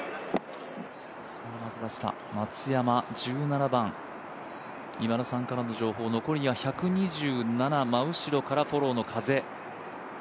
松山、１７番今田さんからの情報残りは１２７真後ろからフォローの風。